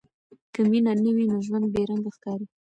که مینه نه وي، نو ژوند بې رنګه ښکاري.